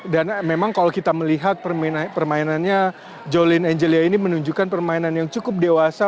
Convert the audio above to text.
dan memang kalau kita melihat permainannya jolin angelina ini menunjukkan permainan yang cukup dewasa